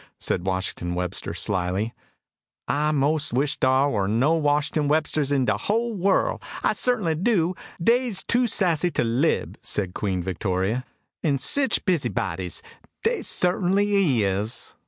said Washington Webster, slyly. "I 'most wish dar war no Washington Websters in de hull worle I certainly do. Dey's too sassy to lib," said Queen Victoria. "An' sich busybodies dey certainly is."